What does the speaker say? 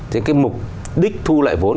thì cái mục đích thu lại vốn